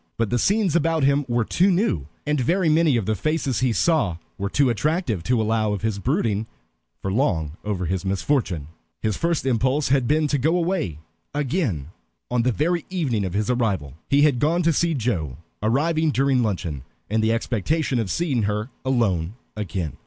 But the scenes about him were too new, and very many of the faces he saw were too attractive, to allow of his brooding for long over his misfortune. His first impulse had been to go away again on the very evening of his arrival. He had gone to see Joe, arriving during luncheon, in the expectation of seeing her alone again.